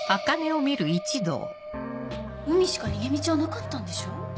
海しか逃げ道はなかったんでしょう？